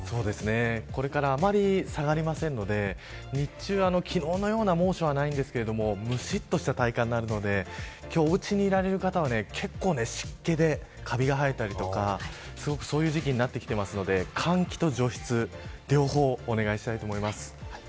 これからあまり下がりませんので日中、昨日のような猛暑はないんですけれどもむしっとした体感になるので今日おうちにいられる方は結構湿気でカビが生えたりとかそういう時期になってきているので換気と除湿、両方お願いしたいと思います。